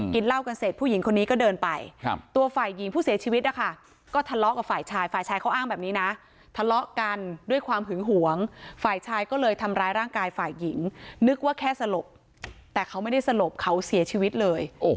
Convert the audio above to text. เหล้ากันเสร็จผู้หญิงคนนี้ก็เดินไปตัวฝ่ายหญิงผู้เสียชีวิตนะคะก็ทะเลาะกับฝ่ายชายฝ่ายชายเขาอ้างแบบนี้นะทะเลาะกันด้วยความหึงหวงฝ่ายชายก็เลยทำร้ายร่างกายฝ่ายหญิงนึกว่าแค่สลบแต่เขาไม่ได้สลบเขาเสียชีวิตเลย